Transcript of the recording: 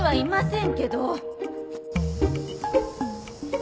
ん？